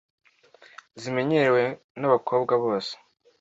zimenyerewe nabakabwa bose